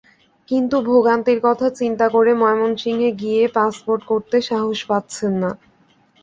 কিন্তু ভোগান্তির কথা চিন্তা করে ময়মনসিংহে গিয়ে পাসপোর্ট করাতে সাহস পাচ্ছেন না।